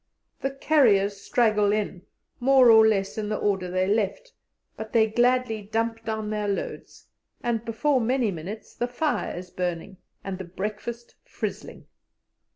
The carriers straggle in more or less in the order they left, but they gladly "dump" down their loads, and before many minutes the fire is burning and the breakfast frizzling.